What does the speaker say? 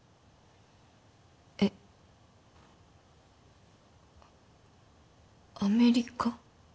えっアメリカ？